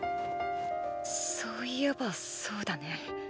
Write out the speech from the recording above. そういえばそうだね。